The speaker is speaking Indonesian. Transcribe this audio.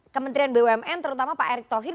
kementerian bumn terutama pak erick thohir